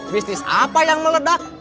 bisnis apa yang meledak